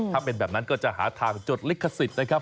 ถ้าเป็นแบบนั้นก็จะหาทางจดลิขสิทธิ์นะครับ